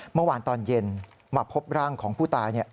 เมื่อวานตอนเย็นมาพบร่างของผู้ตาย